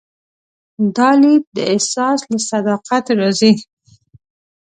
دا لید د احساس له صداقت راځي.